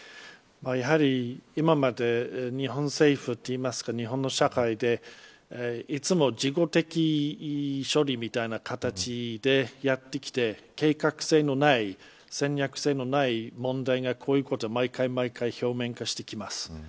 やはり今まで日本政府というか日本の社会でいつも事後的処理みたいな形でやってきて計画性のない戦略性のない問題がこういうこと毎回、毎回表面化してきます。